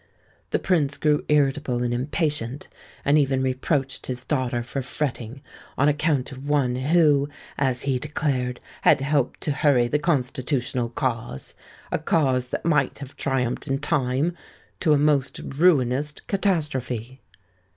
The Prince grew irritable and impatient, and even reproached his daughter for fretting on account of one who, as he declared, "had helped to hurry the Constitutional cause,—a cause that might have triumphed in time,—to a most ruinous catastrophe."